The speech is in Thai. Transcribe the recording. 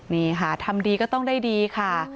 นี่ค่ะทำดีก็ต้องได้ดีค่ะ